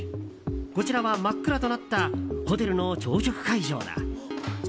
こちらは真っ暗となったホテルの朝食会場だ。